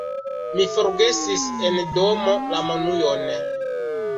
Mi forgesis en domo la monujon.